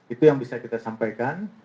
itu yang bisa kita sampaikan